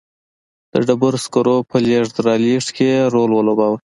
د ډبرو سکرو په لېږد رالېږد کې یې رول ولوباوه.